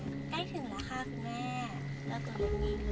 ใกล้ถึงแล้วค่ะคุณแม่